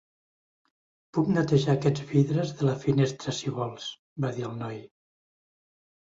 "Puc netejar aquests vidres de la finestra, si vols", va dir el noi.